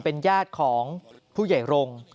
เป็นญาติของผู้ใหญ่รงค์